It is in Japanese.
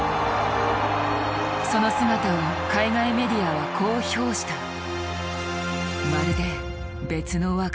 その姿を海外メディアはこう評した。